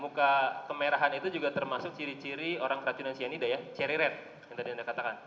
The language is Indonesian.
muka kemerahan itu juga termasuk ciri ciri orang keracunan cyanida ya cherry red yang tadi anda katakan